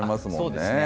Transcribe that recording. そうですね。